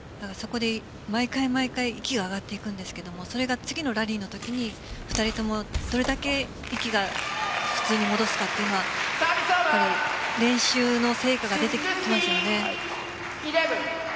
そこで毎回毎回息が上がっていくんですがそれが次のラリーのときに２人ともどれだけ息を普通に戻せるかというのが練習の成果が出てきますよね。